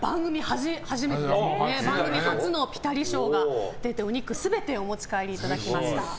番組初のぴたり賞が出てお肉全てお持ち帰りいただきました。